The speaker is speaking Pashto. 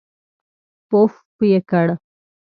پووووووفففف یې کړ.